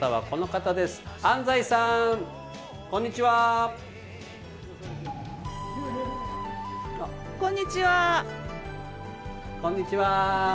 こんにちは！